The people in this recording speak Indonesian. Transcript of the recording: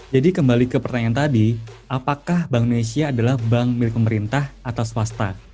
jadi kembali ke pertanyaan tadi apakah bank indonesia adalah bank milik pemerintah atau swasta